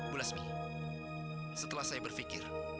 mulasmi setelah saya berfikir